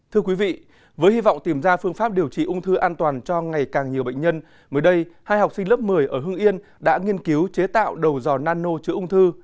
thưa quý vị với hy vọng tìm ra phương pháp điều trị ung thư an toàn cho ngày càng nhiều bệnh nhân mới đây hai học sinh lớp một mươi ở hưng yên đã nghiên cứu chế tạo đầu dò nano chữa ung thư